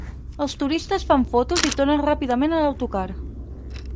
Els turistes fan fotos i tornen ràpidament a l'autocar.